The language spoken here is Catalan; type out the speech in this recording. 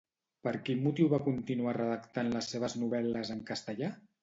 Per quin motiu va continuar redactant les seves novel·les en castellà?